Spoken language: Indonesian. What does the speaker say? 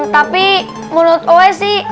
tapi menurut oe sih